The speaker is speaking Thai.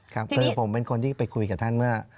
ครับพระกริจกรรมผมเป็นคนที่ไปคุยกับท่านเมื่อ